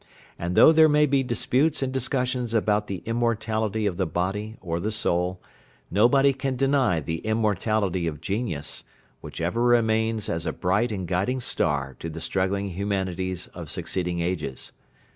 And though there may be disputes and discussions about the immortality of the body or the soul, nobody can deny the immortality of genius, which ever remains as a bright and guiding star to the struggling humanities of succeeding ages.